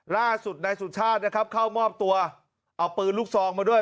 ล่าสุดนายสุชาตินะครับเข้ามอบตัวเอาปืนลูกซองมาด้วย